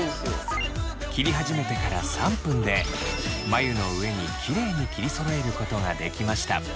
切り始めてから３分で眉の上にきれいに切りそろえることができました。